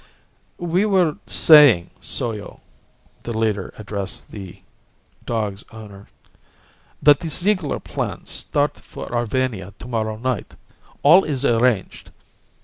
"We were saying, Soyo," the leader addressed the dog's owner, "that the Ziegler plans start for Arvania to morrow night. All is arranged.